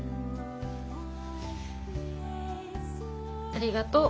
ありがとう。